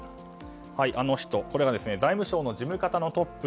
あの人、これは財務省の事務方のトップ。